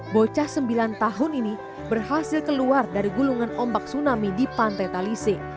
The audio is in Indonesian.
bocah sembilan tahun ini berhasil keluar dari gulungan ombak tsunami di pantai talise